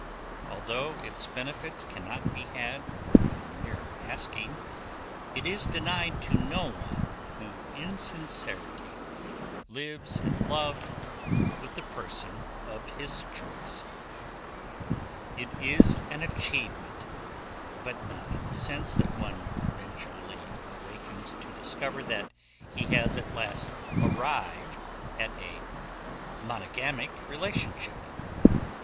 Although its benefits cannot be had for the mere asking, it is denied to no one who in sincerity lives in love with the person of his choice. It is an achievement, but not in the sense that one eventually awakens to discover that he has at last arrived at a monogamic relationship.